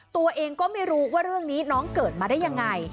ตัวเองก็ไม่รู้ว่าเรื่องนี้น้องเกิดมาได้ยังไง